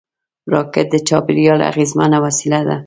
راکټ د چاپېریال اغېزمن وسیله ده